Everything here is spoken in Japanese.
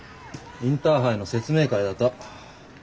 インターハイの説明会だと。